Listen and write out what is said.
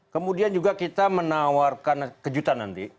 kemudian juga kita menawarkan kejutan nanti